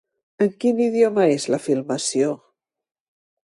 En quin idioma és la filmació?